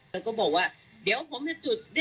แล้วก็บอกว่าเดี๋ยวผมจะจุด